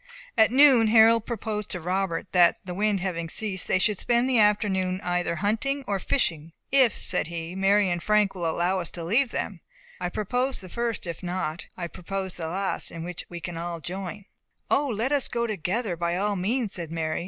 At noon Harold proposed to Robert that, the wind having ceased, they should spend the afternoon either in hunting or fishing. "If," said he, "Mary and Frank will allow us to leave them, I propose the first; if not, I propose the last, in which all can join." "O, let us go together, by all means," said Mary.